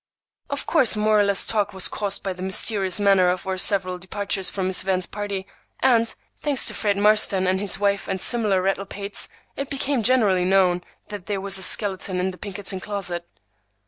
Of course more or less talk was caused by the mysterious manner of our several departures from Miss Van's party; and, thanks to Fred Marston and his wife and similar rattle pates, it became generally known that there was a skeleton in the Pinkerton closet.